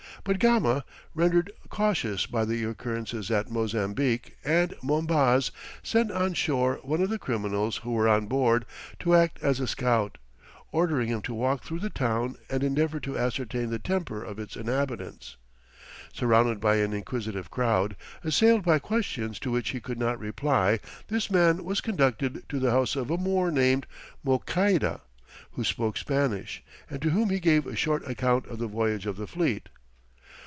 But Gama, rendered cautious by the occurrences at Mozambique and Mombaz, sent on shore one of the criminals who were on board, to act as a scout; ordering him to walk through the town and endeavour to ascertain the temper of its inhabitants. Surrounded by an inquisitive crowd, assailed by questions to which he could not reply, this man was conducted to the house of a Moor named Mouçaïda, who spoke Spanish, and to whom he gave a short account of the voyage of the fleet.